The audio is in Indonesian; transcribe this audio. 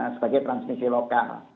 sebagai transmisi lokal